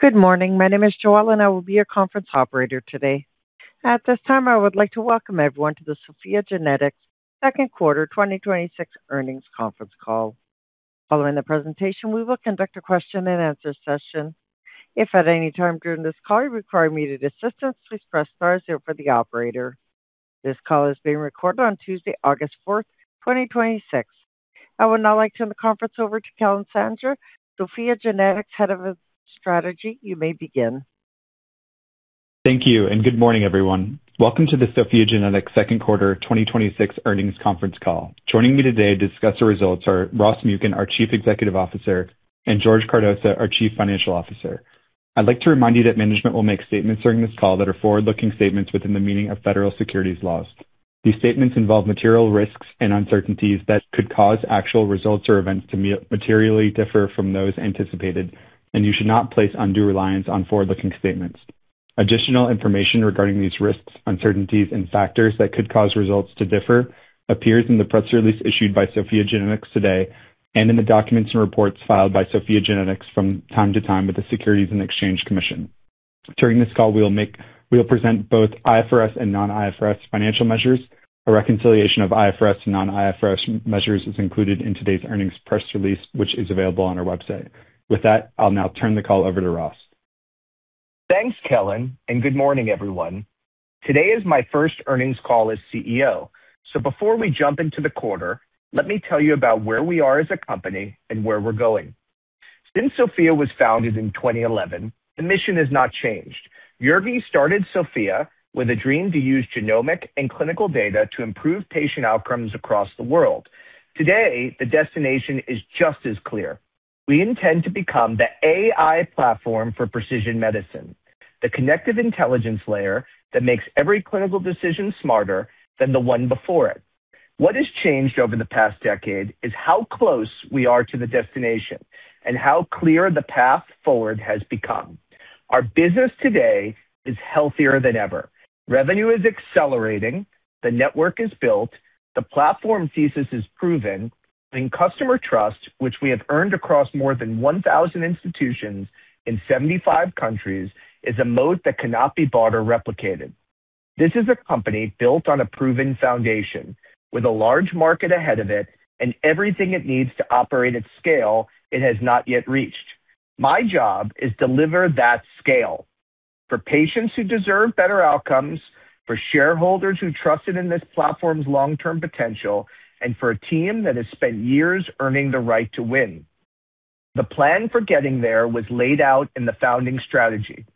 Good morning. My name is Joelle and I will be your conference operator today. At this time, I would like to welcome everyone to the SOPHiA GENETICS second quarter 2026 earnings conference call. Following the presentation, we will conduct a question-and-answer session. If at any time during this call you require immediate assistance, please press star zero for the operator. This call is being recorded on Tuesday, August 4, 2026. I would now like to turn the conference over to Kellen Sanger, SOPHiA GENETICS Head of Strategy. You may begin. Thank you. Good morning, everyone. Welcome to the SOPHiA GENETICS second quarter 2026 earnings conference call. Joining me today to discuss the results are Ross Muken, our Chief Executive Officer, and George Cardoza, our Chief Financial Officer. I'd like to remind you that management will make statements during this call that are forward-looking statements within the meaning of federal securities laws. These statements involve material risks and uncertainties that could cause actual results or events to materially differ from those anticipated. You should not place undue reliance on forward-looking statements. Additional information regarding these risks, uncertainties, and factors that could cause results to differ appears in the press release issued by SOPHiA GENETICS today and in the documents and reports filed by SOPHiA GENETICS from time to time with the Securities and Exchange Commission. During this call, we'll present both IFRS and non-IFRS financial measures. A reconciliation of IFRS to non-IFRS measures is included in today's earnings press release, which is available on our website. With that, I'll now turn the call over to Ross. Thanks, Kellen. Good morning, everyone. Today is my first earnings call as CEO. Before we jump into the quarter, let me tell you about where we are as a company and where we're going. Since SOPHiA was founded in 2011, the mission has not changed. Jürgen started SOPHiA with a dream to use genomic and clinical data to improve patient outcomes across the world. Today, the destination is just as clear. We intend to become the AI platform for precision medicine, the connective intelligence layer that makes every clinical decision smarter than the one before it. What has changed over the past decade is how close we are to the destination and how clear the path forward has become. Our business today is healthier than ever. Revenue is accelerating, the network is built, the platform thesis is proven, and customer trust, which we have earned across more than 1,000 institutions in 75 countries, is a moat that cannot be bought or replicated. This is a company built on a proven foundation with a large market ahead of it and everything it needs to operate at scale it has not yet reached. My job is to deliver that scale for patients who deserve better outcomes, for shareholders who trusted in this platform's long-term potential, and for a team that has spent years earning the right to win. The plan for getting there was laid out in the founding strategy.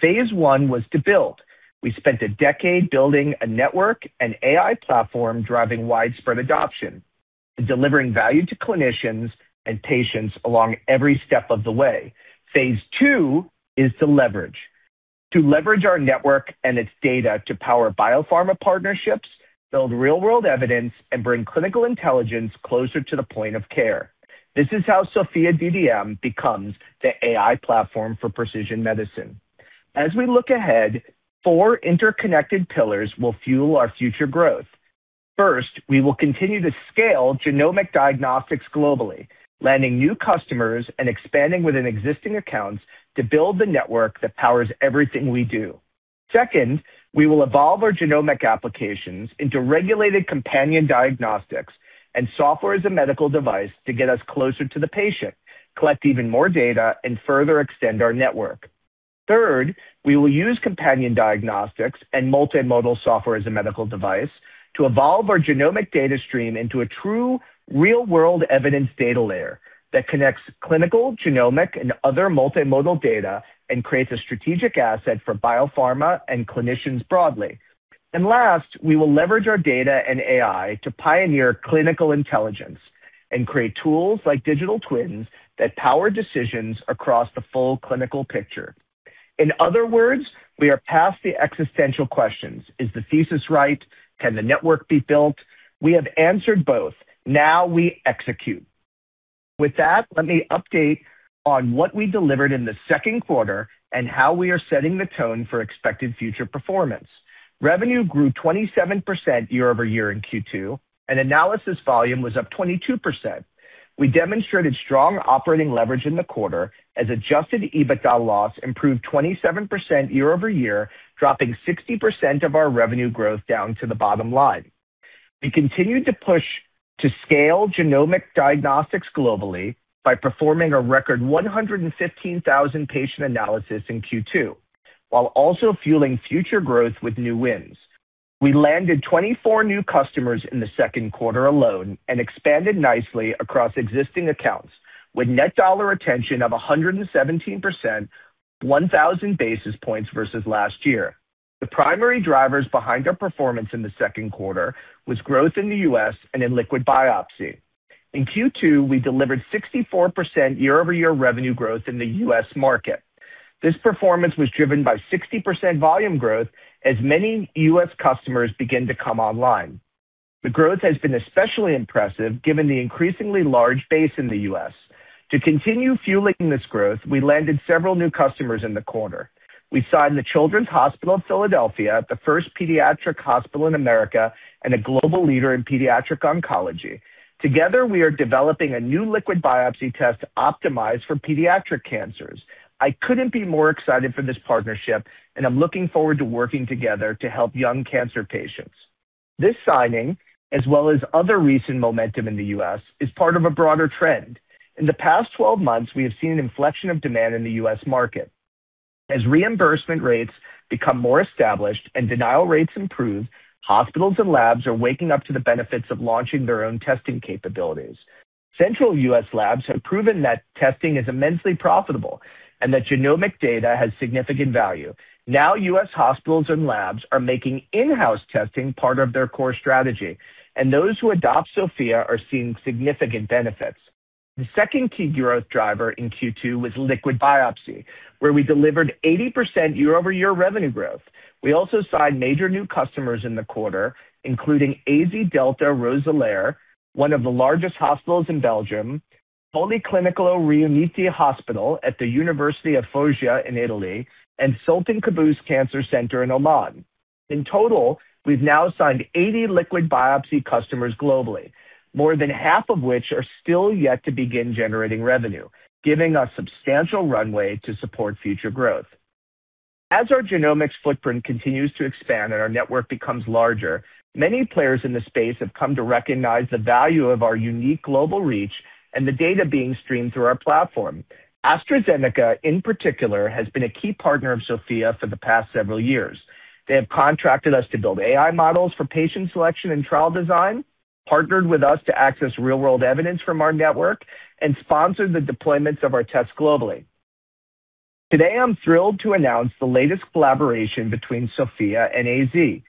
Phase I was to build. We spent a decade building a network and AI platform, driving widespread adoption, and delivering value to clinicians and patients along every step of the way. Phase II is to leverage. To leverage our network and its data to power biopharma partnerships, build real-world evidence, and bring clinical intelligence closer to the point of care. This is how SOPHiA DDM becomes the AI platform for precision medicine. As we look ahead, four interconnected pillars will fuel our future growth. First, we will continue to scale genomic diagnostics globally, landing new customers and expanding within existing accounts to build the network that powers everything we do. Second, we will evolve our genomic applications into regulated companion diagnostics and software as a medical device to get us closer to the patient, collect even more data, and further extend our network. Third, we will use companion diagnostics and multimodal software as a medical device to evolve our genomic data stream into a true real-world evidence data layer that connects clinical, genomic, and other multimodal data and creates a strategic asset for biopharma and clinicians broadly. Last, we will leverage our data and AI to pioneer clinical intelligence and create tools like digital twins that power decisions across the full clinical picture. In other words, we are past the existential questions. Is the thesis right? Can the network be built? We have answered both. Now we execute. With that, let me update on what we delivered in the second quarter and how we are setting the tone for expected future performance. Revenue grew 27% year-over-year in Q2, and analysis volume was up 22%. We demonstrated strong operating leverage in the quarter as adjusted EBITDA loss improved 27% year-over-year, dropping 60% of our revenue growth down to the bottom line. We continued to push to scale genomic diagnostics globally by performing a record 115,000 patient analysis in Q2, while also fueling future growth with new wins. We landed 24 new customers in the second quarter alone and expanded nicely across existing accounts with net dollar retention of 117%, 1,000 basis points versus last year. The primary drivers behind our performance in the second quarter was growth in the U.S. and in liquid biopsy. In Q2, we delivered 64% year-over-year revenue growth in the U.S. market. This performance was driven by 60% volume growth as many U.S. customers begin to come online. The growth has been especially impressive given the increasingly large base in the U.S. To continue fueling this growth, we landed several new customers in the quarter. We signed the Children's Hospital of Philadelphia, the first pediatric hospital in America and a global leader in pediatric oncology. Together, we are developing a new liquid biopsy test optimized for pediatric cancers. I couldn't be more excited for this partnership, and I'm looking forward to working together to help young cancer patients. This signing, as well as other recent momentum in the U.S., is part of a broader trend. In the past 12 months, we have seen an inflection of demand in the U.S. market. As reimbursement rates become more established and denial rates improve, hospitals and labs are waking up to the benefits of launching their own testing capabilities. Central U.S. labs have proven that testing is immensely profitable and that genomic data has significant value. U.S. hospitals and labs are making in-house testing part of their core strategy, and those who adopt SOPHiA are seeing significant benefits. The second key growth driver in Q2 was liquid biopsy, where we delivered 80% year-over-year revenue growth. We also signed major new customers in the quarter, including AZ Delta Roeselare, one of the largest hospitals in Belgium, Policlinico Riuniti Hospital at the University of Foggia in Italy, and Sultan Qaboos Cancer Center in Oman. In total, we've now signed 80 liquid biopsy customers globally, more than half of which are still yet to begin generating revenue, giving us substantial runway to support future growth. As our genomics footprint continues to expand and our network becomes larger, many players in the space have come to recognize the value of our unique global reach and the data being streamed through our platform. AstraZeneca, in particular, has been a key partner of SOPHiA for the past several years. They have contracted us to build AI models for patient selection and trial design, partnered with us to access real-world evidence from our network, and sponsored the deployments of our tests globally. Today, I'm thrilled to announce the latest collaboration between SOPHiA and AZ.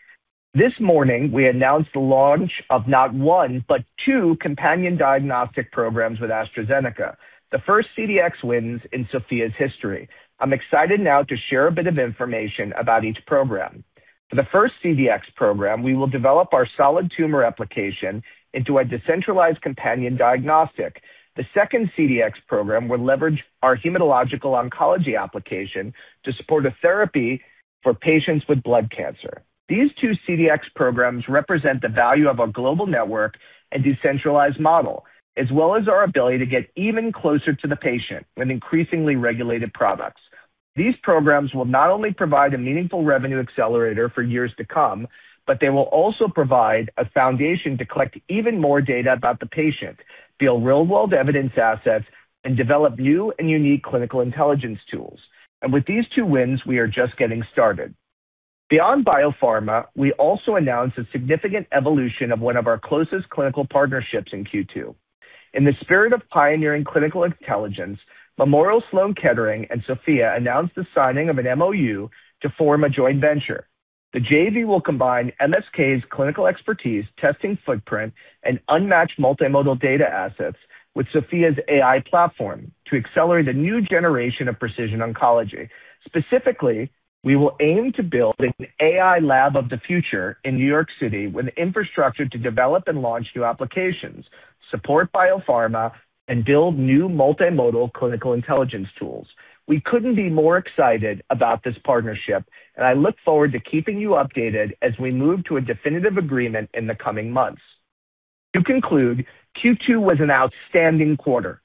This morning, we announced the launch of not one, but two companion diagnostic programs with AstraZeneca, the first CDx wins in SOPHiA's history. I'm excited now to share a bit of information about each program. For the first CDx program, we will develop our solid tumor application into a decentralized companion diagnostic. The second CDx program will leverage our hematological oncology application to support a therapy for patients with blood cancer. These two CDx programs represent the value of our global network and decentralized model, as well as our ability to get even closer to the patient with increasingly regulated products. These programs will not only provide a meaningful revenue accelerator for years to come, but they will also provide a foundation to collect even more data about the patient, build real-world evidence assets, and develop new and unique clinical intelligence tools. With these two wins, we are just getting started. Beyond biopharma, we also announced a significant evolution of one of our closest clinical partnerships in Q2. In the spirit of pioneering clinical intelligence, Memorial Sloan Kettering and SOPHiA announced the signing of an MoU to form a joint venture. The JV will combine MSK's clinical expertise, testing footprint, and unmatched multimodal data assets with SOPHiA's AI platform to accelerate a new generation of precision oncology. Specifically, we will aim to build an AI lab of the future in New York City with infrastructure to develop and launch new applications, support biopharma, and build new multimodal clinical intelligence tools. We couldn't be more excited about this partnership, and I look forward to keeping you updated as we move to a definitive agreement in the coming months. To conclude, Q2 was an outstanding quarter.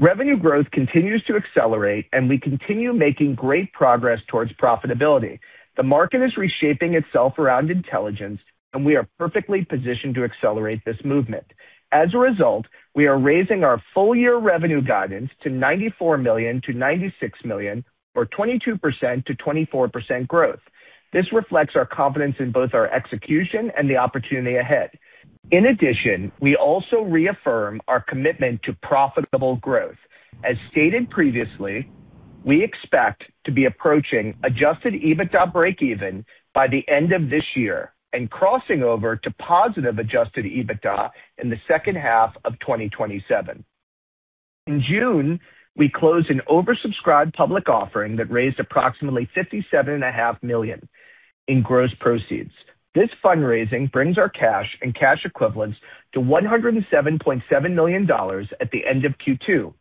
Revenue growth continues to accelerate, and we continue making great progress towards profitability. The market is reshaping itself around intelligence, and we are perfectly positioned to accelerate this movement. As a result, we are raising our full-year revenue guidance to $94 million-$96 million or 22%-24% growth. This reflects our confidence in both our execution and the opportunity ahead. In addition, we also reaffirm our commitment to profitable growth. As stated previously, we expect to be approaching adjusted EBITDA breakeven by the end of this year and crossing over to positive adjusted EBITDA in the second half of 2027. In June, we closed an oversubscribed public offering that raised approximately $57.5 million in gross proceeds. This fundraising brings our cash and cash equivalents to $107.7 million at the end of Q2.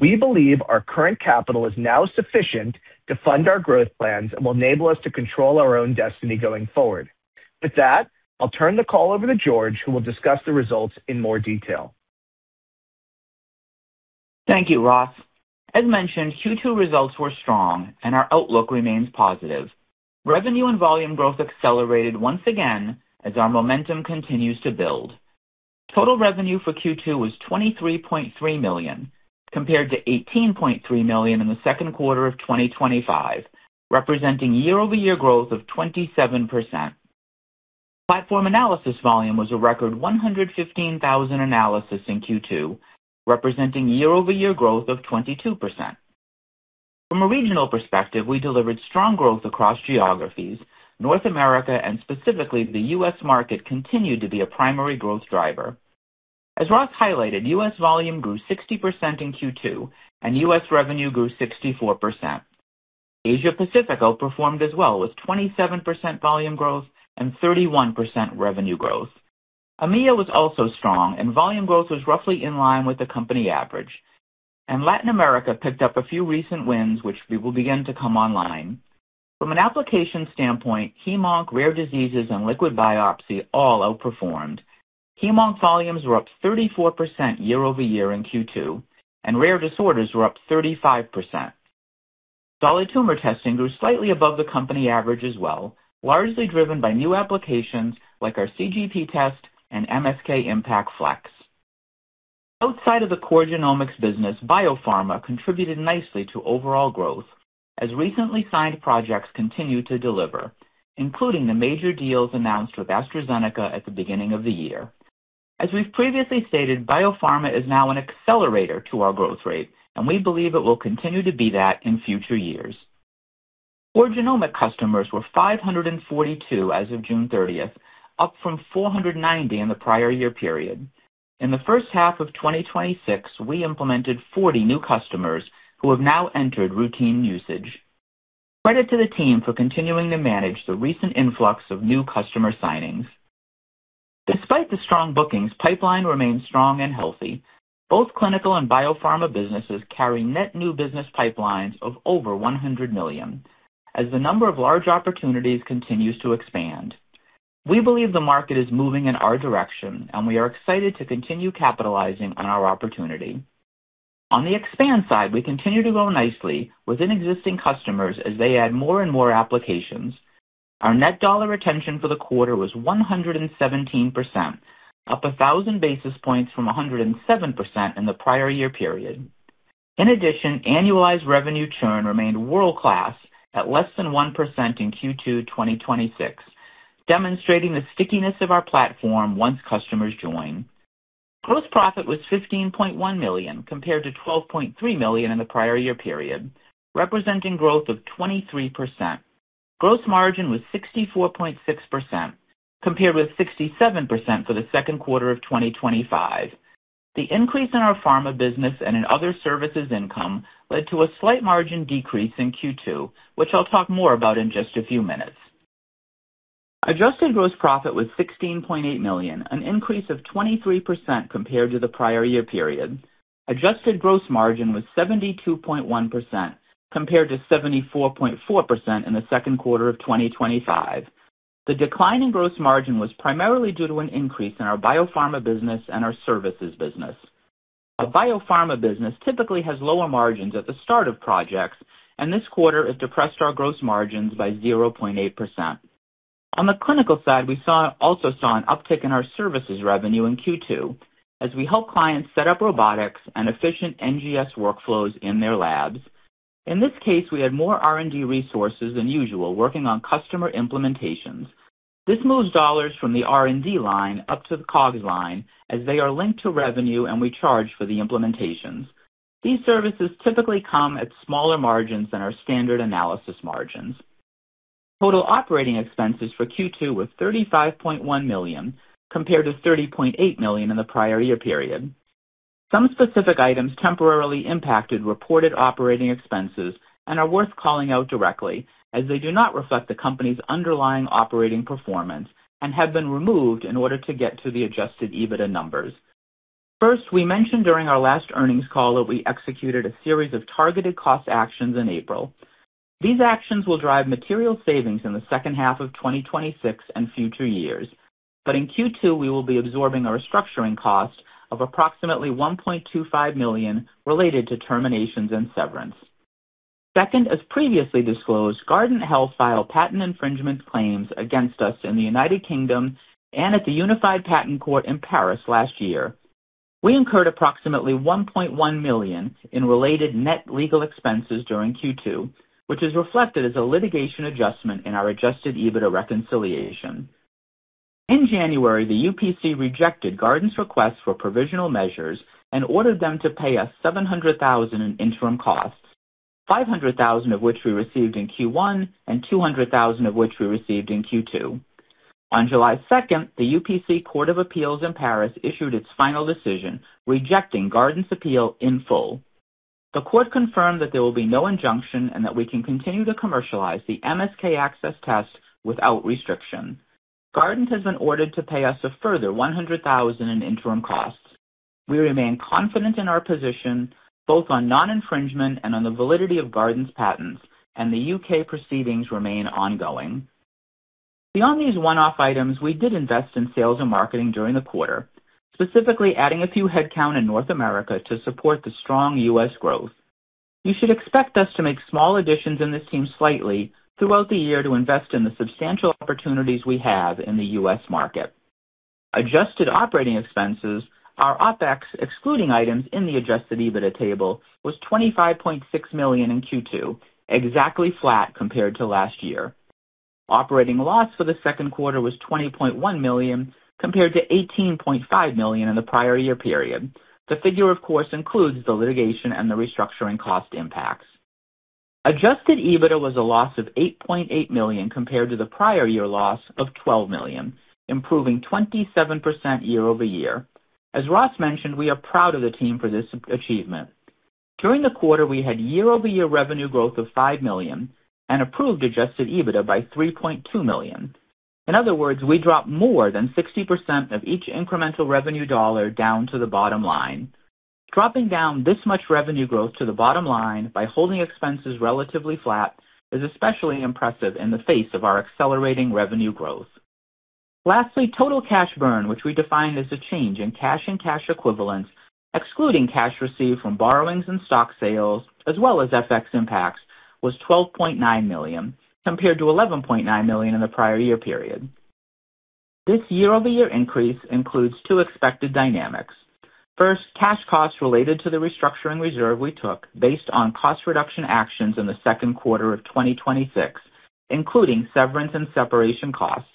We believe our current capital is now sufficient to fund our growth plans and will enable us to control our own destiny going forward. With that, I'll turn the call over to George, who will discuss the results in more detail. Thank you, Ross. As mentioned, Q2 results were strong, and our outlook remains positive. Revenue and volume growth accelerated once again as our momentum continues to build. Total revenue for Q2 was $23.3 million, compared to $18.3 million in the second quarter of 2025, representing year-over-year growth of 27%. Platform analysis volume was a record 115,000 analysis in Q2, representing year-over-year growth of 22%. From a regional perspective, we delivered strong growth across geographies. North America, and specifically the U.S. market, continued to be a primary growth driver. As Ross highlighted, U.S. volume grew 60% in Q2, and U.S. revenue grew 64%. Asia-Pacific outperformed as well with 27% volume growth and 31% revenue growth. EMEA was also strong and volume growth was roughly in line with the company average. Latin America picked up a few recent wins, which we will begin to come online. From an application standpoint, hemonc, rare diseases, and liquid biopsy all outperformed. Hemonc volumes were up 34% year-over-year in Q2, and rare disorders were up 35%. Solid tumor testing grew slightly above the company average as well, largely driven by new applications like our CGP test and MSK-IMPACT Flex. Outside of the core genomics business, biopharma contributed nicely to overall growth as recently signed projects continue to deliver, including the major deals announced with AstraZeneca at the beginning of the year. As we've previously stated, biopharma is now an accelerator to our growth rate, and we believe it will continue to be that in future years. Core genomic customers were 542 as of June 30th, up from 490 in the prior year period. In the first half of 2026, we implemented 40 new customers who have now entered routine usage. Credit to the team for continuing to manage the recent influx of new customer signings. Despite the strong bookings, pipeline remains strong and healthy. Both clinical and biopharma businesses carry net new business pipelines of over $100 million, as the number of large opportunities continues to expand. We believe the market is moving in our direction, and we are excited to continue capitalizing on our opportunity. On the expand side, we continue to grow nicely within existing customers as they add more and more applications. Our net dollar retention for the quarter was 117%, up 1,000 basis points from 107% in the prior year period. In addition, annualized revenue churn remained world-class at less than 1% in Q2 2026, demonstrating the stickiness of our platform once customers join. Gross profit was $15.1 million compared to $12.3 million in the prior year period, representing growth of 23%. Gross margin was 64.6%, compared with 67% for the second quarter of 2025. The increase in our pharma business and in other services income led to a slight margin decrease in Q2, which I'll talk more about in just a few minutes. Adjusted gross profit was $16.8 million, an increase of 23% compared to the prior year period. Adjusted gross margin was 72.1%, compared to 74.4% in the second quarter of 2025. The decline in gross margin was primarily due to an increase in our biopharma business and our services business. A biopharma business typically has lower margins at the start of projects, and this quarter has depressed our gross margins by 0.8%. On the clinical side, we also saw an uptick in our services revenue in Q2 as we help clients set up robotics and efficient NGS workflows in their labs. In this case, we had more R&D resources than usual working on customer implementations. This moves dollars from the R&D line up to the COGS line as they are linked to revenue and we charge for the implementations. These services typically come at smaller margins than our standard analysis margins. Total operating expenses for Q2 were $35.1 million, compared to $30.8 million in the prior year period. Some specific items temporarily impacted reported operating expenses and are worth calling out directly as they do not reflect the company's underlying operating performance and have been removed in order to get to the adjusted EBITDA numbers. First, we mentioned during our last earnings call that we executed a series of targeted cost actions in April. These actions will drive material savings in the second half of 2026 and future years. In Q2, we will be absorbing a restructuring cost of approximately $1.25 million related to terminations and severance. Second, as previously disclosed, Guardant Health filed patent infringement claims against us in the U.K. and at the Unified Patent Court in Paris last year. We incurred approximately $1.1 million in related net legal expenses during Q2, which is reflected as a litigation adjustment in our adjusted EBITDA reconciliation. In January, the UPC rejected Guardant's request for provisional measures and ordered them to pay us $700,000 in interim costs, $500,000 of which we received in Q1 and $200,000 of which we received in Q2. On July 2nd, the UPC Court of Appeals in Paris issued its final decision, rejecting Guardant's appeal in full. The court confirmed that there will be no injunction and that we can continue to commercialize the MSK-ACCESS test without restriction. Guardant has been ordered to pay us a further $100,000 in interim costs. We remain confident in our position, both on non-infringement and on the validity of Guardant's patents, and the U.K. proceedings remain ongoing. Beyond these one-off items, we did invest in sales and marketing during the quarter, specifically adding a few headcount in North America to support the strong U.S. growth. You should expect us to make small additions in this team slightly throughout the year to invest in the substantial opportunities we have in the U.S. market. Adjusted operating expenses, our OpEx excluding items in the adjusted EBITDA table, was $25.6 million in Q2, exactly flat compared to last year. Operating loss for the second quarter was $20.1 million, compared to $18.5 million in the prior year period. The figure, of course, includes the litigation and the restructuring cost impacts. Adjusted EBITDA was a loss of $8.8 million compared to the prior-year loss of $12 million, improving 27% year-over-year. As Ross mentioned, we are proud of the team for this achievement. During the quarter, we had year-over-year revenue growth of $5 million and approved adjusted EBITDA by $3.2 million. In other words, we dropped more than 60% of each incremental revenue dollar down to the bottom line. Dropping down this much revenue growth to the bottom line by holding expenses relatively flat is especially impressive in the face of our accelerating revenue growth. Lastly, total cash burn, which we define as a change in cash and cash equivalents, excluding cash received from borrowings and stock sales, as well as FX impacts, was $12.9 million, compared to $11.9 million in the prior year period. This year-over-year increase includes two expected dynamics. First, cash costs related to the restructuring reserve we took based on cost reduction actions in the second quarter of 2026, including severance and separation costs,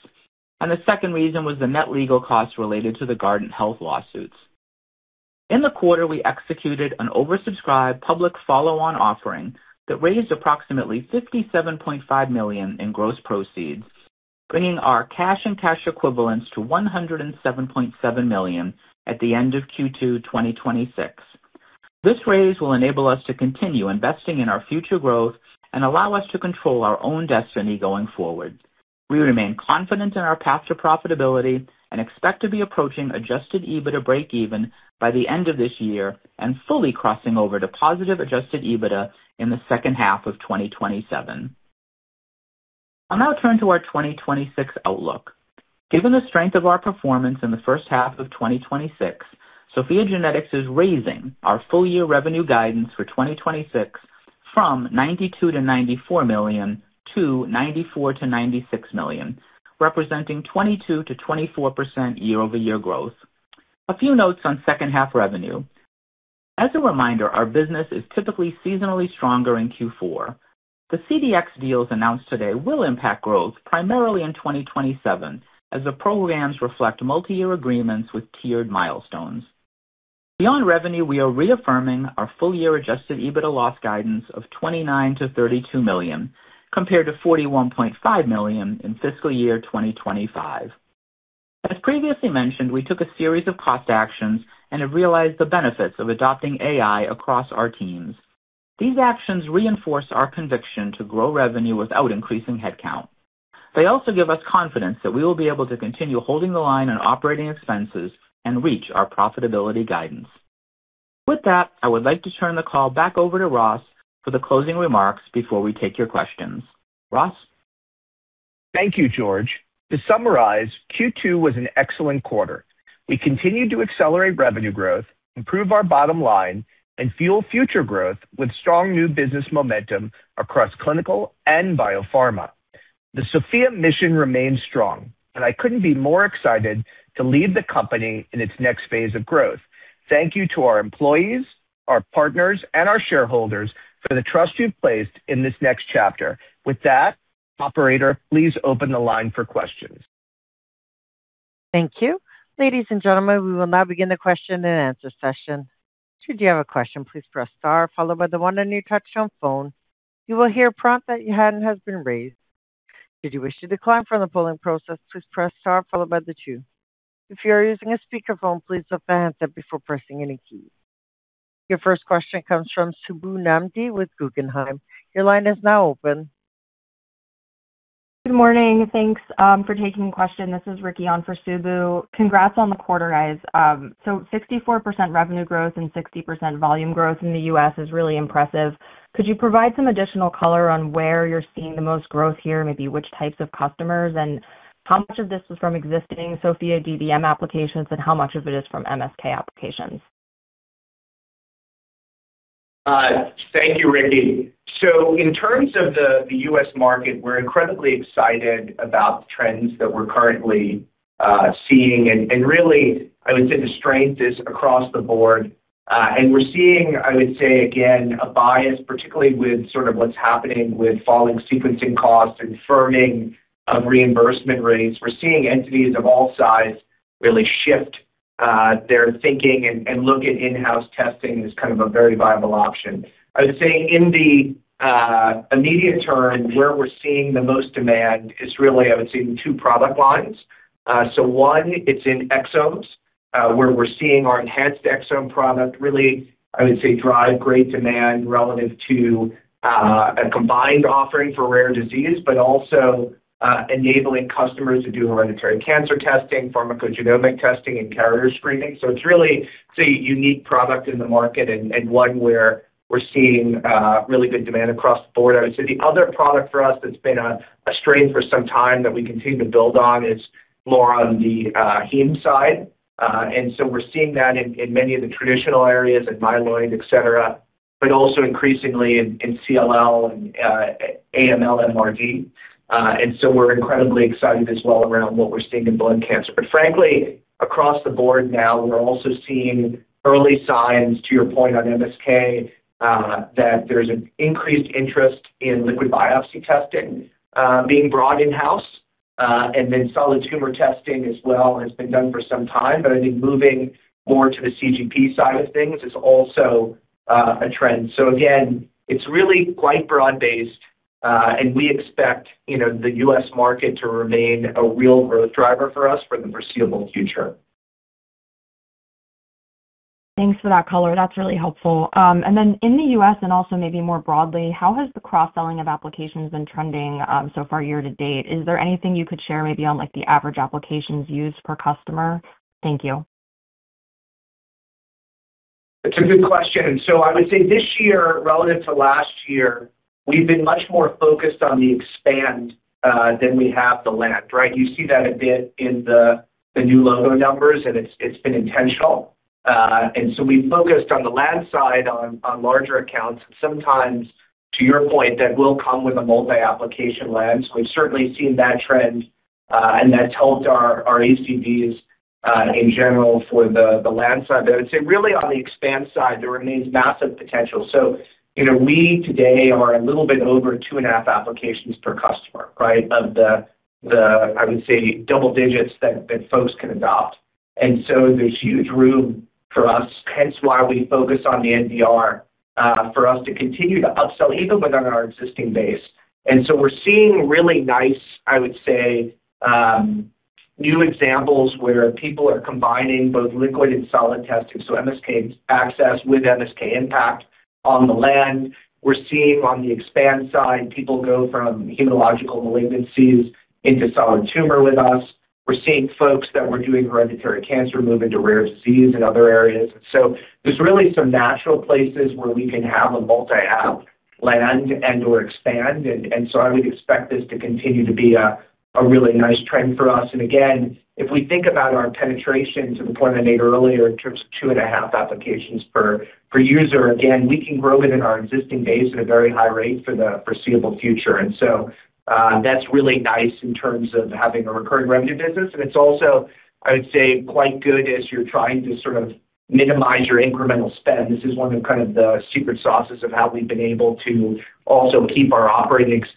and the second reason was the net legal costs related to the Guardant Health lawsuits. In the quarter, we executed an oversubscribed public follow-on offering that raised approximately $57.5 million in gross proceeds, bringing our cash and cash equivalents to $107.7 million at the end of Q2 2026. This raise will enable us to continue investing in our future growth and allow us to control our own destiny going forward. We remain confident in our path to profitability and expect to be approaching adjusted EBITDA breakeven by the end of this year and fully crossing over to positive adjusted EBITDA in the second half of 2027. I'll now turn to our 2026 outlook. Given the strength of our performance in the first half of 2026, SOPHiA GENETICS is raising our full-year revenue guidance for 2026 from $92 million-$94 million to $94 million-$96 million, representing 22%-24% year-over-year growth. A few notes on second half revenue. As a reminder, our business is typically seasonally stronger in Q4. The CDx deals announced today will impact growth primarily in 2027 as the programs reflect multi-year agreements with tiered milestones. Beyond revenue, we are reaffirming our full-year adjusted EBITDA loss guidance of $29 million-$32 million, compared to $41.5 million in FY 2025. As previously mentioned, we took a series of cost actions and have realized the benefits of adopting AI across our teams. These actions reinforce our conviction to grow revenue without increasing headcount. They also give us confidence that we will be able to continue holding the line on operating expenses and reach our profitability guidance. With that, I would like to turn the call back over to Ross for the closing remarks before we take your questions. Ross? Thank you, George. To summarize, Q2 was an excellent quarter. We continued to accelerate revenue growth, improve our bottom line, and fuel future growth with strong new business momentum across clinical and biopharma. The SOPHiA mission remains strong, and I couldn't be more excited to lead the company in its next phase of growth. Thank you to our employees, our partners, and our shareholders for the trust you've placed in this next chapter. With that, operator, please open the line for questions. Thank you. Ladies and gentlemen, we will now begin the question and answer session. If you do you have a question, please press star followed by the one on your touch-tone phone. You will hear a prompt that your hand has been raised. If you wish to decline from the polling process, please press star followed by the two. If you are using a speakerphone, please lift the handset before pressing any key. Your first question comes from Subbu Nambi with Guggenheim. Your line is now open. Good morning. Thanks for taking the question. This is Ricki on for Subbu. Congrats on the quarter, guys. 64% revenue growth and 60% volume growth in the U.S. is really impressive. Could you provide some additional color on where you're seeing the most growth here, maybe which types of customers, and how much of this is from existing SOPHiA DDM applications, and how much of it is from MSK applications? Thank you, Ricki. In terms of the U.S. market, we're incredibly excited about the trends that we're currently seeing. Really, I would say the strength is across the board. We're seeing, I would say again, a bias, particularly with sort of what's happening with falling sequencing costs and firming of reimbursement rates. We're seeing entities of all size really shift their thinking and look at in-house testing as kind of a very viable option. I would say in the immediate term, where we're seeing the most demand is really, I would say, in two product lines. One, it's in exomes, where we're seeing our enhanced exome product really, I would say, drive great demand relative to a combined offering for rare disease, but also enabling customers to do hereditary cancer testing, pharmacogenomic testing, and carrier screening. It's really, I'd say, a unique product in the market and one where we're seeing really good demand across the board. I would say the other product for us that's been a strain for some time that we continue to build on is more on the heme side. We're seeing that in many of the traditional areas in myeloid, et cetera, but also increasingly in CLL and AML, MRD. We're incredibly excited as well around what we're seeing in blood cancer. Frankly, across the board now, we're also seeing early signs, to your point on MSK, that there's an increased interest in liquid biopsy testing, being brought in-house, and then solid tumor testing as well has been done for some time. I think moving more to the CGP side of things is also a trend. Again, it's really quite broad-based. We expect the U.S. market to remain a real growth driver for us for the foreseeable future. Thanks for that color. That's really helpful. Then in the U.S., and also maybe more broadly, how has the cross-selling of applications been trending so far year to date? Is there anything you could share maybe on the average applications used per customer? Thank you. It's a good question. I would say this year, relative to last year, we've been much more focused on the expand than we have the land. You see that a bit in the new logo numbers, it's been intentional. We've focused on the land side on larger accounts, and sometimes, to your point, that will come with a multi-application land. We've certainly seen that trend, and that's helped our ACVs in general for the land side. I would say really on the expand side, there remains massive potential. We today are a little bit over two and half applications per customer of the, I would say, double digits that folks can adopt. There's huge room for us, hence why we focus on the NDR for us to continue to upsell even within our existing base. We're seeing really nice, I would say, new examples where people are combining both liquid and solid testing, MSK-ACCESS with MSK-IMPACT on the land. We're seeing on the expand side, people go from hematological malignancies into solid tumor with us. We're seeing folks that were doing hereditary cancer move into rare disease and other areas. There's really some natural places where we can have a multi-app land and/or expand, I would expect this to continue to be a really nice trend for us. Again, if we think about our penetration, to the point I made earlier, in terms of 2.5 applications per user, again, we can grow it in our existing base at a very high rate for the foreseeable future. That's really nice in terms of having a recurring revenue business, and it's also, I would say, quite good as you're trying to minimize your incremental spend. This is one of the secret sauces of how we've been able to also keep our OpEx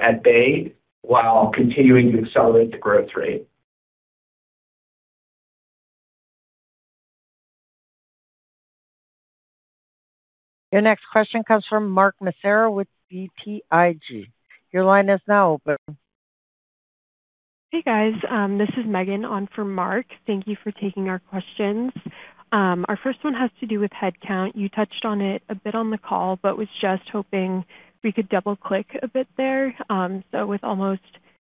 at bay while continuing to accelerate the growth rate. Your next question comes from Mark Massaro with BTIG. Your line is now open. Hey, guys. This is Megan on for Mark. Thank you for taking our questions. Our first one has to do with headcount. You touched on it a bit on the call, but was just hoping we could double-click a bit there. With almost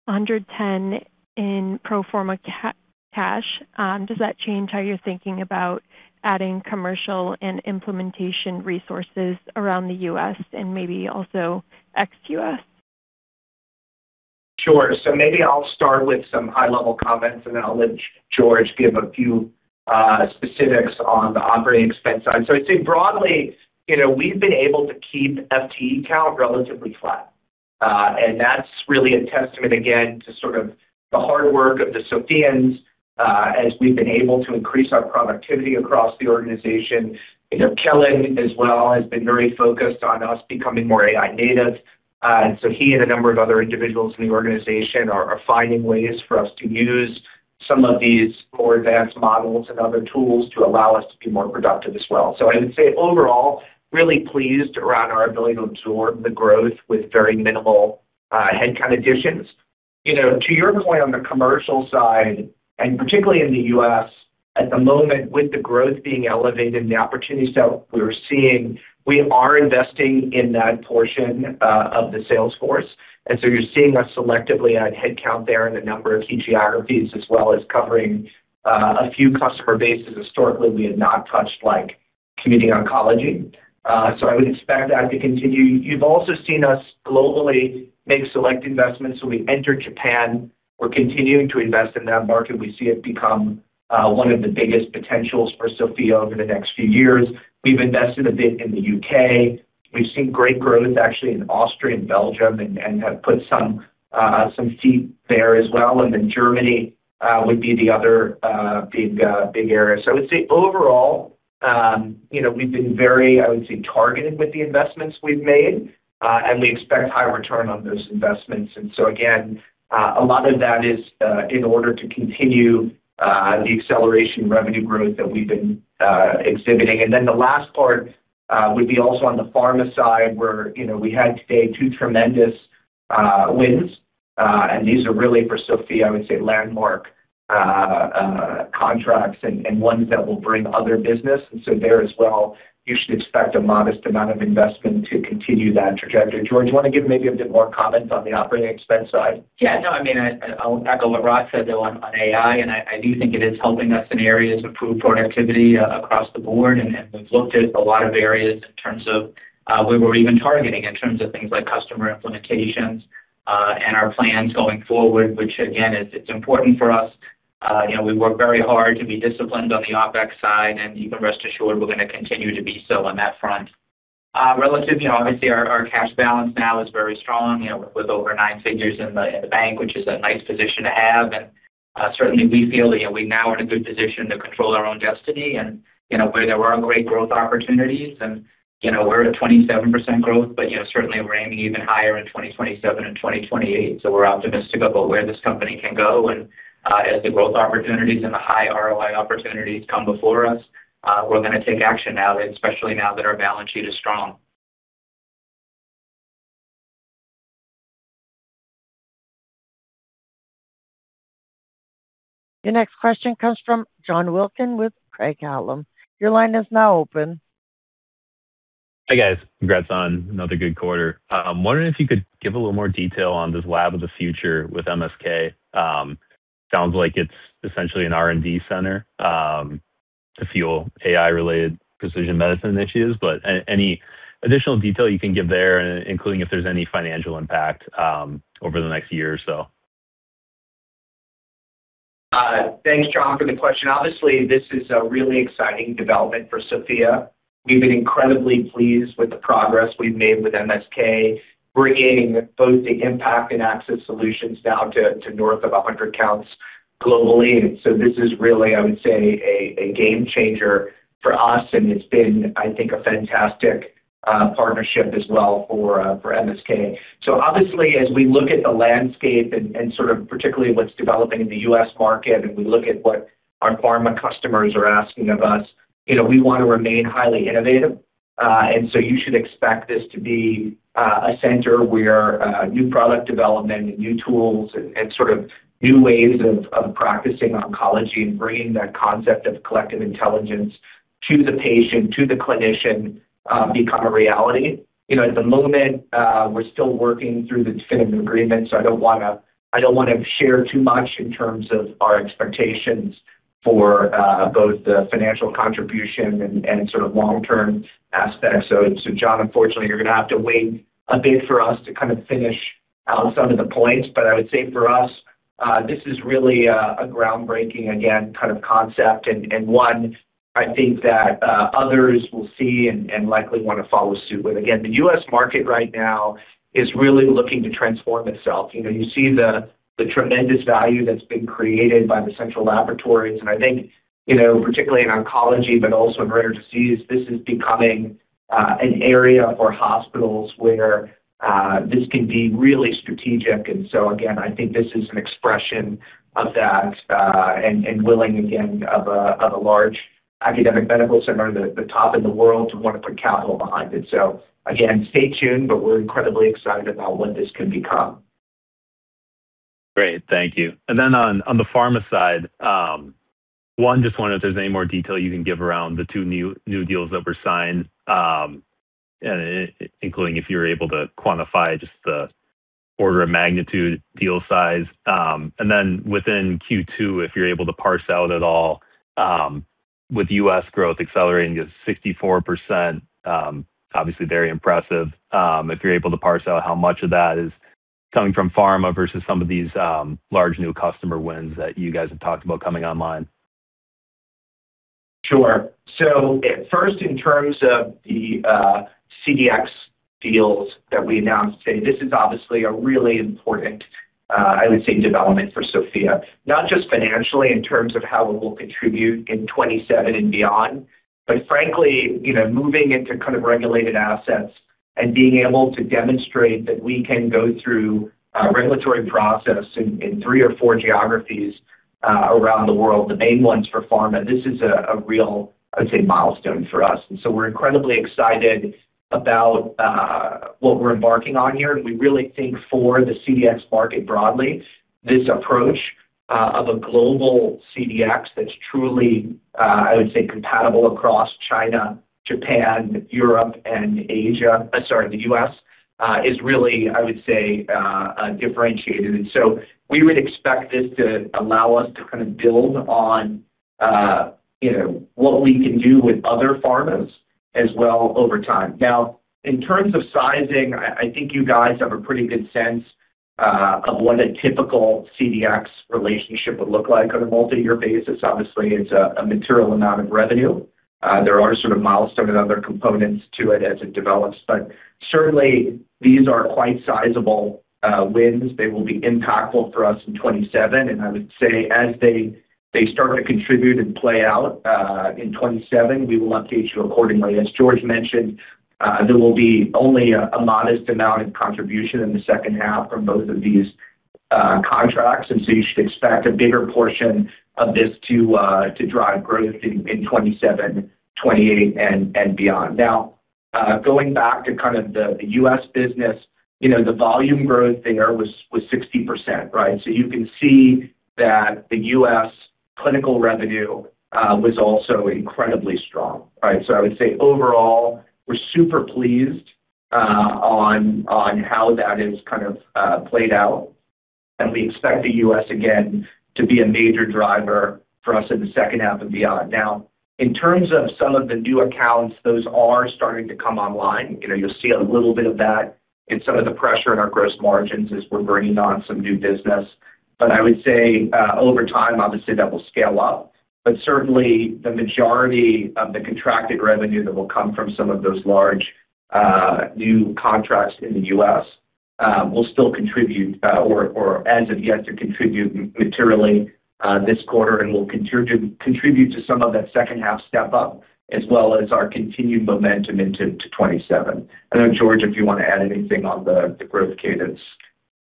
$110 in pro forma cash, does that change how you're thinking about adding commercial and implementation resources around the U.S. and maybe also ex-U.S.? Sure. Maybe I'll start with some high-level comments, and then I'll let George give a few specifics on the OpEx side. I'd say broadly, we've been able to keep FTE count relatively flat. That's really a testament, again, to the hard work of the SOPHiAns as we've been able to increase our productivity across the organization. Kellen as well has been very focused on us becoming more AI native. He and a number of other individuals in the organization are finding ways for us to use some of these more advanced models and other tools to allow us to be more productive as well. I would say overall, really pleased around our ability to absorb the growth with very minimal headcount additions. To your point on the commercial side, particularly in the U.S., at the moment, with the growth being elevated and the opportunity set we're seeing, we are investing in that portion of the sales force. You're seeing us selectively add headcount there in a number of key geographies, as well as covering a few customer bases historically we have not touched, like community oncology. I would expect that to continue. You've also seen us globally make select investments. We entered Japan. We're continuing to invest in that market. We see it become one of the biggest potentials for SOPHiA over the next few years. We've invested a bit in the U.K. We've seen great growth, actually, in Austria and Belgium and have put some feet there as well, Germany would be the other big area. I would say overall, we've been very, I would say, targeted with the investments we've made, and we expect high return on those investments. Again, a lot of that is in order to continue the acceleration revenue growth that we've been exhibiting. The last part would be also on the pharma side, where we had today two tremendous wins, and these are really for SOPHiA, I would say, landmark contracts and ones that will bring other business. There as well, you should expect a modest amount of investment to continue that trajectory. George, you want to give maybe a bit more comment on the operating expense side? Yeah, no, I mean, I'll echo what Ross said, though, on AI, and I do think it is helping us in areas improve productivity across the board, and we've looked at a lot of areas in terms of where we're even targeting in terms of things like customer implementations and our plans going forward, which again, it's important for us. We work very hard to be disciplined on the OpEx side, and you can rest assured we're going to continue to be so on that front. Relative, obviously, our cash balance now is very strong with over nine figures in the bank, which is a nice position to have. Certainly we feel we now are in a good position to control our own destiny and where there are great growth opportunities, and we're at a 27% growth, but certainly we're aiming even higher in 2027 and 2028. We're optimistic about where this company can go. As the growth opportunities and the high ROI opportunities come before us, we're going to take action now, especially now that our balance sheet is strong. Your next question comes from John Wilkin with Craig-Hallum. Your line is now open. Hi, guys. Congrats on another good quarter. I'm wondering if you could give a little more detail on this lab of the future with MSK. Sounds like it's essentially an R&D center to fuel AI-related precision medicine initiatives, any additional detail you can give there, including if there's any financial impact over the next year or so? Thanks, John, for the question. Obviously, this is a really exciting development for SOPHiA. We've been incredibly pleased with the progress we've made with MSK, bringing both the MSK-IMPACT and MSK-ACCESS solutions now to north of 100 counts globally. This is really, I would say, a game changer for us, and it's been, I think, a fantastic partnership as well for MSK. Obviously, as we look at the landscape and sort of particularly what's developing in the U.S. market, and we look at what our pharma customers are asking of us, we want to remain highly innovative. You should expect this to be a center where new product development and new tools and sort of new ways of practicing oncology and bringing that concept of collective intelligence to the patient, to the clinician become a reality. At the moment, we're still working through the definitive agreement, I don't want to share too much in terms of our expectations for both the financial contribution and sort of long-term aspects. John, unfortunately, you're going to have to wait a bit for us to kind of finish out some of the points. I would say for us, this is really a groundbreaking, again, kind of concept and one I think that others will see and likely want to follow suit with. Again, the U.S. market right now is really looking to transform itself. You see the tremendous value that's been created by the central laboratories. I think, particularly in oncology, but also in rare disease, this is becoming an area for hospitals where this can be really strategic. Again, I think this is an expression of that, and willing, again, of a large academic medical center, the top in the world, to want to put capital behind it. Stay tuned, but we're incredibly excited about what this can become. Great. Thank you. On the pharma side, one, just wondering if there's any more detail you can give around the two new deals that were signed, including if you're able to quantify just the order of magnitude deal size. Within Q2, if you're able to parse out at all, with U.S. growth accelerating at 64%, obviously very impressive, if you're able to parse out how much of that is coming from pharma versus some of these large new customer wins that you guys have talked about coming online. Sure. First, in terms of the CDx deals that we announced today, this is obviously a really important, I would say, development for SOPHiA, not just financially in terms of how it will contribute in 2027 and beyond, but frankly, moving into kind of regulated assets and being able to demonstrate that we can go through a regulatory process in three or four geographies around the world, the main ones for pharma. This is a real, I would say, milestone for us. We're incredibly excited about what we're embarking on here. We really think for the CDx market broadly, this approach of a global CDx that's truly, I would say, compatible across China, Japan, Europe, and Asia, sorry, the U.S., is really, I would say, differentiated. We would expect this to allow us to kind of build on what we can do with other pharmas as well over time. In terms of sizing, I think you guys have a pretty good sense of what a typical CDx relationship would look like on a multi-year basis. Obviously, it's a material amount of revenue. There are sort of milestone and other components to it as it develops. Certainly, these are quite sizable wins. They will be impactful for us in 2027. As they start to contribute and play out in 2027, we will update you accordingly. As George mentioned, there will be only a modest amount of contribution in the second half from both of these contracts, and so you should expect a bigger portion of this to drive growth in 2027, 2028, and beyond. Going back to kind of the U.S. business, the volume growth there was 60%, right? You can see that the U.S. clinical revenue was also incredibly strong, right? I would say overall, we're super pleased on how that has kind of played out, and we expect the U.S. again to be a major driver for us in the second half and beyond. In terms of some of the new accounts, those are starting to come online. You'll see a little bit of that in some of the pressure in our gross margins as we're bringing on some new business. I would say, over time, obviously that will scale up. Certainly, the majority of the contracted revenue that will come from some of those large new contracts in the U.S. will still contribute, or as of yet to contribute materially this quarter and will contribute to some of that second half step-up as well as our continued momentum into 2027. I know, George, if you want to add anything on the growth cadence.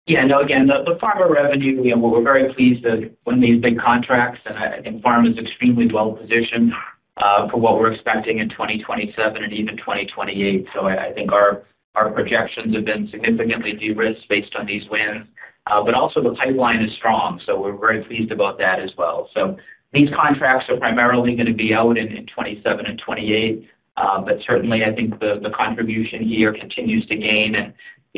The pharma revenue, we're very pleased to win these big contracts, and I think pharma's extremely well-positioned for what we're expecting in 2027 and even 2028. I think our projections have been significantly de-risked based on these wins. Also the pipeline is strong, we're very pleased about that as well. These contracts are primarily going to be out in 2027 and 2028. Certainly, I think the contribution here continues to gain.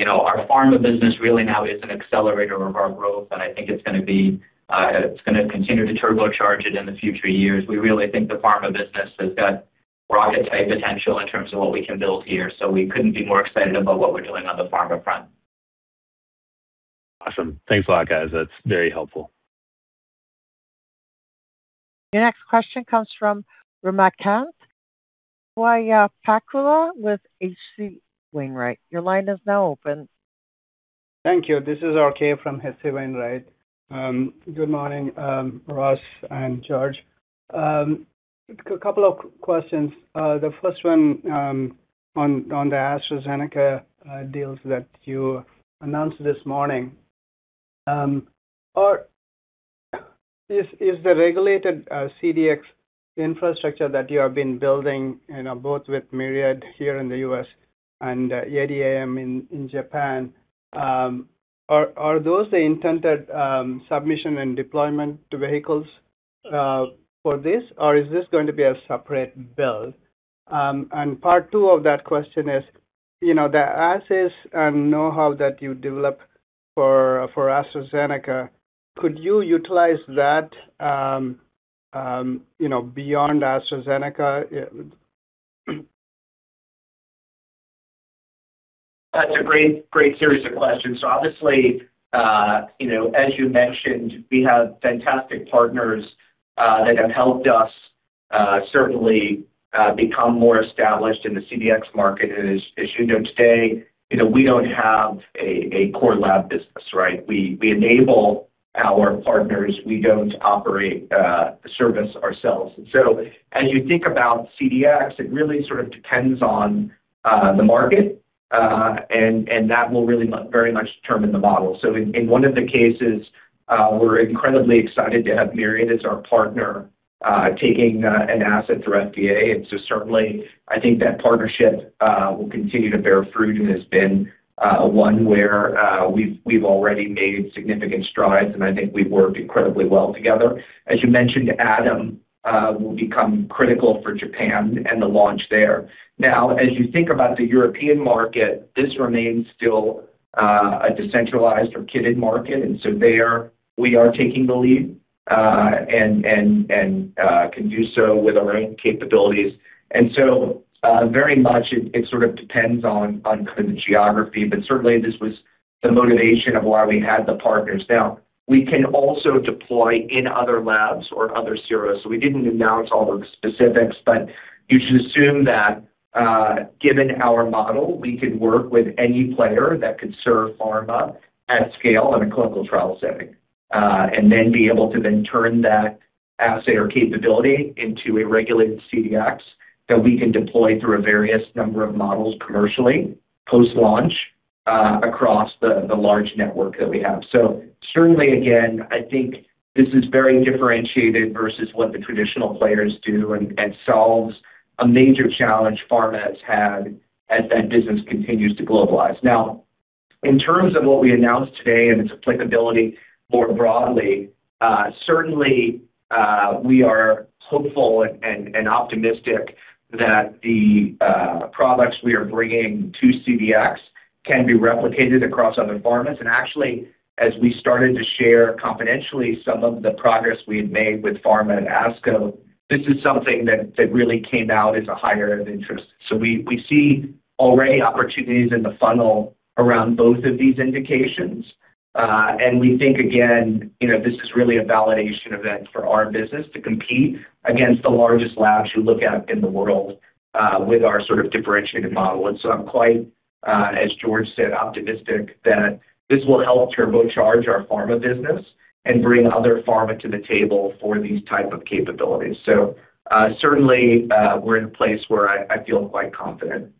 Our pharma business really now is an accelerator of our growth. I think it's going to continue to turbocharge it in the future years. We really think the pharma business has got rocket-type potential in terms of what we can build here, we couldn't be more excited about what we're doing on the pharma front. Awesome. Thanks a lot, guys. That's very helpful. Your next question comes from Ramakanth Swayampakula with H.C. Wainwright. Your line is now open. Thank you. This is RK from H.C. Wainwright. Good morning, Ross and George. A couple of questions. The first one on the AstraZeneca deals that you announced this morning. Is the regulated CDx infrastructure that you have been building, both with Myriad here in the U.S. and A.D.A.M in Japan, are those the intended submission and deployment vehicles for this, or is this going to be a separate build? Part two of that question is, the assays and know-how that you develop for AstraZeneca, could you utilize that beyond AstraZeneca? That's a great series of questions. Obviously, as you mentioned, we have fantastic partners that have helped us certainly become more established in the CDx market. As you know, today, we don't have a core lab business, right? We enable our partners. We don't operate a service ourselves. As you think about CDx, it really sort of depends on the market, and that will really very much determine the model. So in one of the cases, we're incredibly excited to have Myriad as our partner taking an asset through FDA. Certainly, I think that partnership will continue to bear fruit and has been one where we've already made significant strides, and I think we've worked incredibly well together. As you mentioned, A.D.A.M will become critical for Japan and the launch there. Now, as you think about the European market, this remains still a decentralized or kitted market, and there we are taking the lead and can do so with our own capabilities. Very much it sort of depends on the geography, but certainly this was the motivation of why we had the partners. Now, we can also deploy in other labs or other CROs. We didn't announce all the specifics, but you should assume that given our model, we could work with any player that could serve pharma at scale in a clinical trial setting and then be able to then turn that assay or capability into a regulated CDx that we can deploy through a various number of models commercially post-launch across the large network that we have. Certainly, again, I think this is very differentiated versus what the traditional players do and solves a major challenge pharma has had as that business continues to globalize. In terms of what we announced today and its applicability more broadly, certainly we are hopeful and optimistic that the products we are bringing to CDx can be replicated across other pharmas. Actually, as we started to share confidentially some of the progress we had made with pharma at ASCO, this is something that really came out as a higher of interest. We see already opportunities in the funnel around both of these indications. We think, again, this is really a validation event for our business to compete against the largest labs you look at in the world with our sort of differentiated model. I'm quite, as George said, optimistic that this will help turbocharge our pharma business and bring other pharma to the table for these type of capabilities. Certainly, we're in a place where I feel quite confident.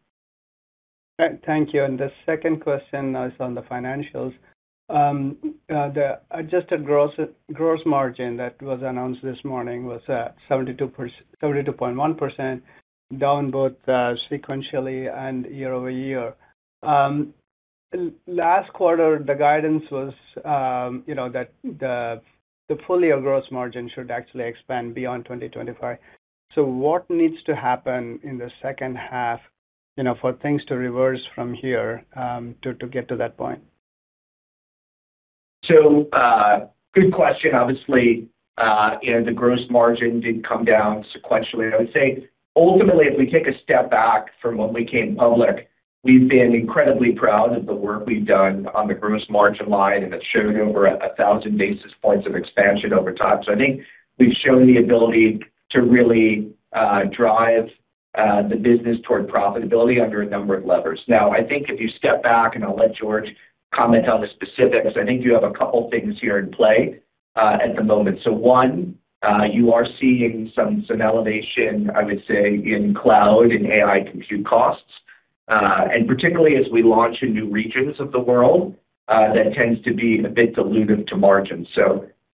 Thank you. The second question is on the financials. The adjusted gross margin that was announced this morning was at 72.1%, down both sequentially and year-over-year. Last quarter, the guidance was that the full-year gross margin should actually expand beyond 2025. What needs to happen in the second half for things to reverse from here to get to that point? Good question. Obviously, the gross margin did come down sequentially. I would say, ultimately, if we take a step back from when we came public, we've been incredibly proud of the work we've done on the gross margin line, and it's shown over 1,000 basis points of expansion over time. I think we've shown the ability to really drive the business toward profitability under a number of levers. I think if you step back, and I'll let George comment on the specifics, I think you have a couple things here in play at the moment. One, you are seeing some elevation, I would say, in cloud and AI compute costs. Particularly as we launch in new regions of the world, that tends to be a bit dilutive to margin.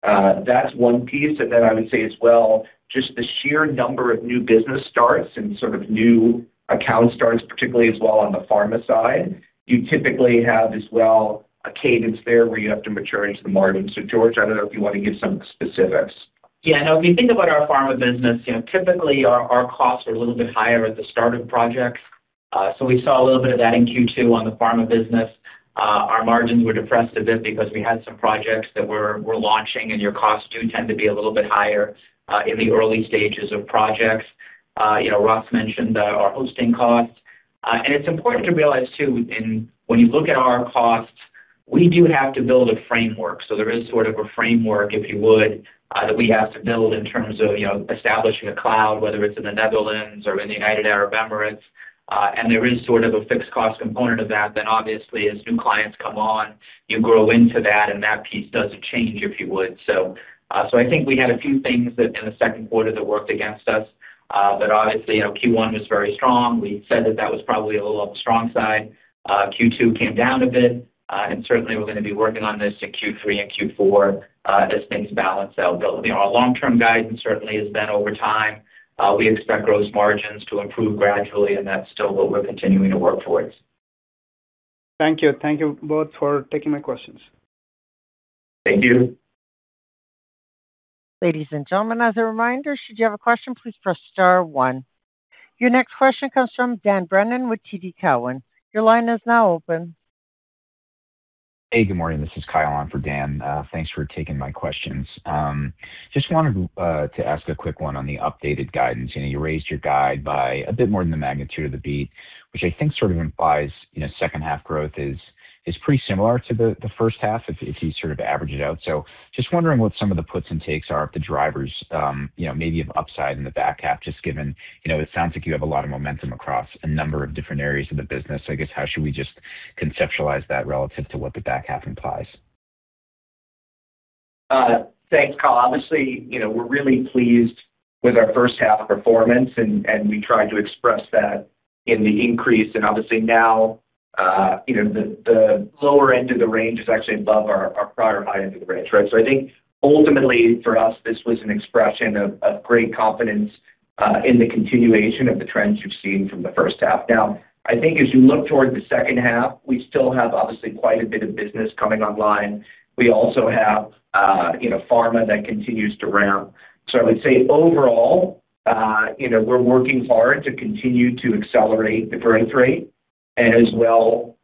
That's one piece. I would say as well, just the sheer number of new business starts and sort of new account starts, particularly as well on the pharma side, you typically have as well a cadence there where you have to mature into the margin. George, I don't know if you want to give some specifics. If you think about our pharma business, typically our costs are a little bit higher at the start of projects. We saw a little bit of that in Q2 on the pharma business. Our margins were depressed a bit because we had some projects that were launching, and your costs do tend to be a little bit higher in the early stages of projects. Ross mentioned our hosting costs. It's important to realize, too, when you look at our costs, we do have to build a framework. There is sort of a framework, if you would, that we have to build in terms of establishing a cloud, whether it's in the Netherlands or in the United Arab Emirates. There is sort of a fixed cost component of that. Obviously as new clients come on, you grow into that, and that piece doesn't change, if you would. I think we had a few things in the second quarter that worked against us. Obviously, Q1 was very strong. Q2 came down a bit. Certainly we're going to be working on this in Q3 and Q4 as things balance out. Our long-term guidance certainly has been over time. We expect gross margins to improve gradually, and that's still what we're continuing to work towards. Thank you. Thank you both for taking my questions. Thank you. Ladies and gentlemen, as a reminder, should you have a question, please press star one. Your next question comes from Dan Brennan with TD Cowen. Your line is now open. Hey, good morning. This is Kyle on for Dan. Thanks for taking my questions. Just wanted to ask a quick one on the updated guidance. You raised your guide by a bit more than the magnitude of the beat, which I think sort of implies second half growth is pretty similar to the first half if you sort of average it out. Just wondering what some of the puts and takes are of the drivers maybe of upside in the back half, just given it sounds like you have a lot of momentum across a number of different areas of the business. I guess how should we just conceptualize that relative to what the back half implies? Thanks, Kyle. Obviously, we're really pleased with our first half performance, and we tried to express that in the increase. Obviously now the lower end of the range is actually above our prior high end of the range, right? I think ultimately for us, this was an expression of great confidence in the continuation of the trends you've seen from the first half. Now, I think as you look toward the second half, we still have obviously quite a bit of business coming online. We also have pharma that continues to ramp. I would say overall we're working hard to continue to accelerate the growth rate and as well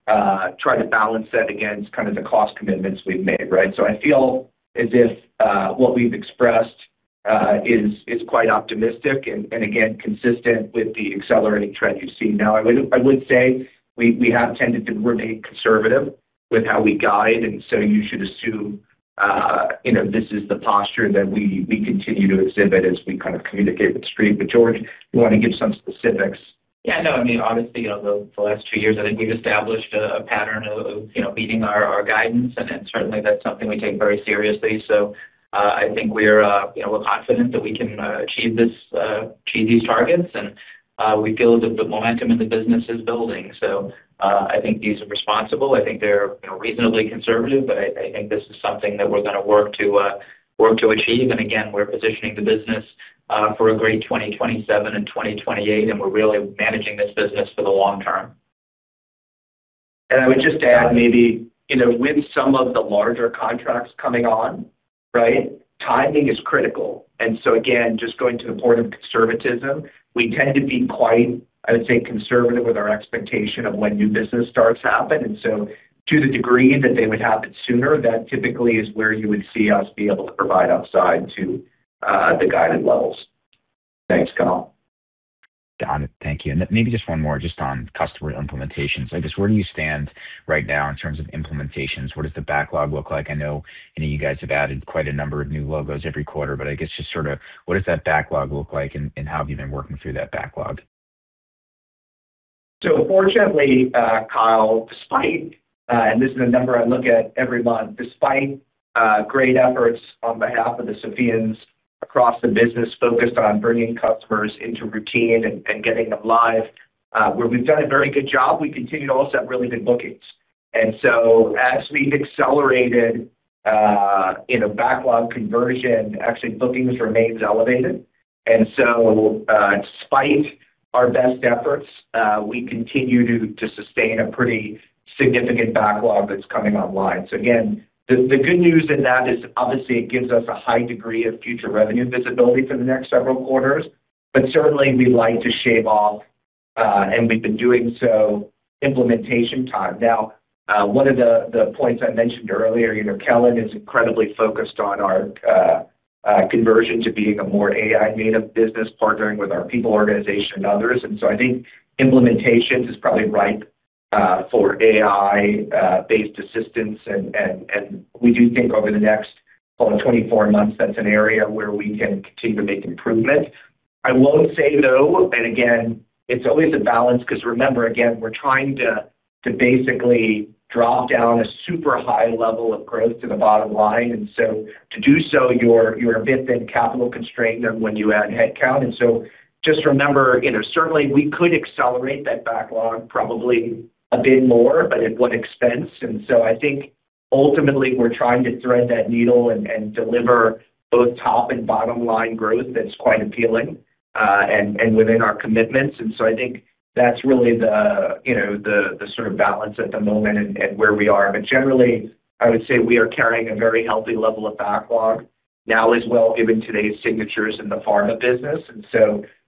try to balance that against kind of the cost commitments we've made, right? I feel as if what we've expressed is quite optimistic and again, consistent with the accelerating trend you've seen. I would say we have tended to remain conservative with how we guide. You should assume this is the posture that we continue to exhibit as we kind of communicate with Street. George, you want to give some specifics? I mean, obviously the last two years, I think we've established a pattern of beating our guidance. Certainly that's something we take very seriously. I think we're confident that we can achieve these targets. We feel that the momentum in the business is building. I think these are responsible. I think they're reasonably conservative. I think this is something that we're going to work to achieve. Again, we're positioning the business for a great 2027 and 2028. We're really managing this business for the long term. I would just add maybe with some of the larger contracts coming on, right? Timing is critical. Again, just going to the point of conservatism, we tend to be quite, I would say, conservative with our expectation of when new business starts to happen. To the degree that they would happen sooner, that typically is where you would see us be able to provide upside to the guided levels. Thanks, Kyle. Got it. Thank you. Maybe just one more just on customer implementations. I guess where do you stand right now in terms of implementations? What does the backlog look like? I know you guys have added quite a number of new logos every quarter, I guess just sort of what does that backlog look like, and how have you been working through that backlog? Fortunately, Kyle, despite, and this is a number I look at every month, despite great efforts on behalf of the SOPHiAns across the business focused on bringing customers into routine and getting them live, where we've done a very good job, we continue to also have really good bookings. As we've accelerated in a backlog conversion, actually bookings remains elevated. Despite our best efforts, we continue to sustain a pretty significant backlog that's coming online. Again, the good news in that is obviously it gives us a high degree of future revenue visibility for the next several quarters. Certainly we like to shave off, and we've been doing so implementation time. Now, one of the points I mentioned earlier, Kellen is incredibly focused on our conversion to being a more AI-native business, partnering with our people, organization, and others. I think implementations is probably ripe for AI-based assistance, and we do think over the next call it 24 months, that's an area where we can continue to make improvements. I will say, though, and again, it's always a balance because remember, again, we're trying to basically drop down a super high level of growth to the bottom line. To do so, you're a bit then capital constrained than when you add headcount. Just remember, certainly we could accelerate that backlog probably a bit more, but at what expense? I think ultimately, we're trying to thread that needle and deliver both top and bottom-line growth that's quite appealing, and within our commitments. I think that's really the sort of balance at the moment and where we are. Generally, I would say we are carrying a very healthy level of backlog now as well, given today's signatures in the pharma business.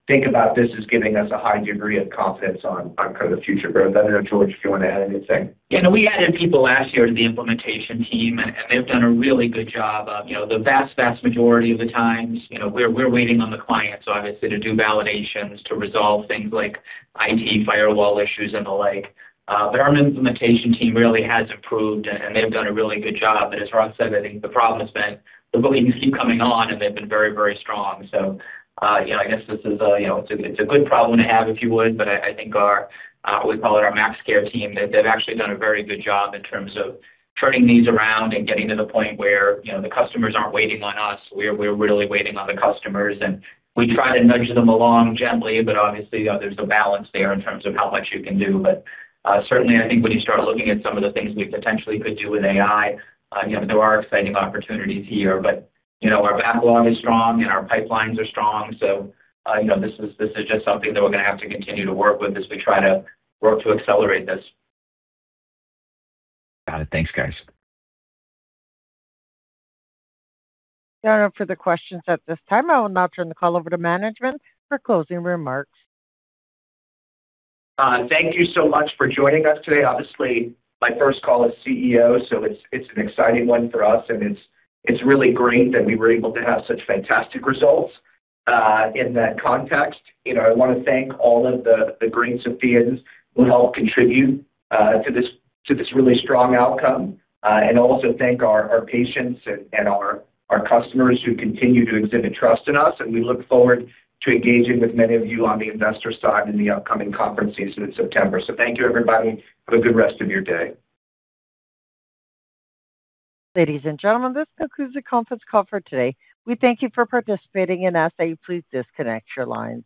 Think about this as giving us a high degree of confidence on kind of future growth. I don't know, George, if you want to add anything. We added people last year to the implementation team, and they've done a really good job of The vast majority of the times, we're waiting on the clients, obviously, to do validations, to resolve things like IT firewall issues and the like. Our implementation team really has improved, and they've done a really good job. As Ross said, I think the problem has been the bookings keep coming on, and they've been very, very strong. I guess this is a good problem to have, if you would. I think our, we call it our max care team, they've actually done a very good job in terms of turning these around and getting to the point where the customers aren't waiting on us. We're really waiting on the customers, we try to nudge them along gently, obviously, there's a balance there in terms of how much you can do. Certainly, I think when you start looking at some of the things we potentially could do with AI, there are exciting opportunities here. Our backlog is strong and our pipelines are strong, this is just something that we're going to have to continue to work with as we try to work to accelerate this. Got it. Thanks, guys. There are no further questions at this time. I will now turn the call over to management for closing remarks. Thank you so much for joining us today. Obviously, my first call as CEO, it's an exciting one for us, it's really great that we were able to have such fantastic results. In that context, I want to thank all of the great SOPHiAns who help contribute to this really strong outcome. Also thank our patients and our customers who continue to exhibit trust in us, we look forward to engaging with many of you on the investor side in the upcoming conference season in September. Thank you, everybody. Have a good rest of your day. Ladies and gentlemen, this concludes the conference call for today. We thank you for participating and ask that you please disconnect your lines.